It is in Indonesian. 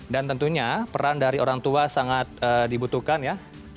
dan tentunya peran dari orang tua sangat dibutuhkan ya